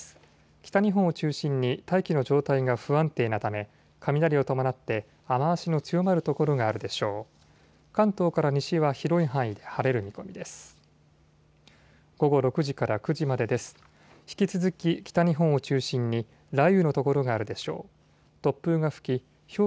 北日本を中心に大気の状態が不安定なため雷を伴って雨足の強まる所があるでしょう。